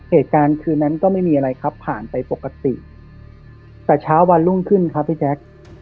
เหตุการณ์คืนนั้นก็ไม่มีอะไรครับผ่านไปปกติแต่เช้าวันรุ่งขึ้นครับพี่แจ๊ค